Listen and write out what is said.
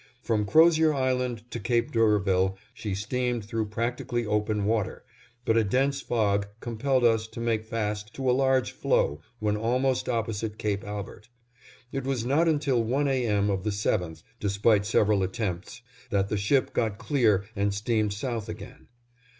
From Crozier Island to Cape D'Urville she steamed through practically open water, but a dense fog compelled us to make fast to a large floe when almost opposite Cape Albert. It was not until one A. M. of the 7th, despite several attempts, that the ship got clear and steamed south again.